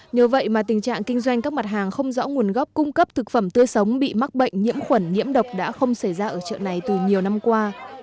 nhờ vậy mà tình trạng kinh doanh các mặt hàng không rõ nguồn gốc cung cấp thực phẩm tươi sống bị mắc bệnh nhiễm khuẩn nhiễm độc đã không xảy ra ở chợ này từ nhiều năm qua